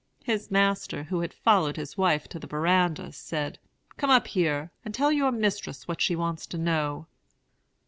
"His master, who had followed his wife to the verandah, said, 'Come up here, and tell your mistress what she wants to know.'